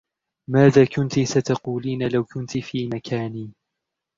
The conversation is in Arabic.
ماذا كُنتِ ستقولينَ لو كنتِ في مكاني؟